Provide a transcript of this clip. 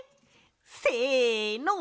せの！